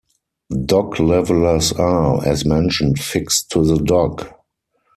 Dock levelers are, as mentioned, fixed to the dock.